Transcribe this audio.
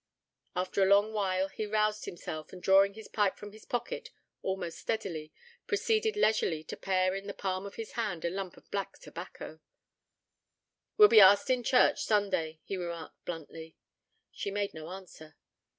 After a long while he roused himself, and drawing his pipe from his pocket almost steadily, proceeded leisurely to pare in the palm of his hand a lump of black tobacco. 'We'll be asked in church Sunday,' he remarked bluntly. She made no answer.